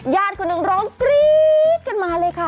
ญาติคนหนึ่งร้องกรี๊ดกันมาเลยค่ะ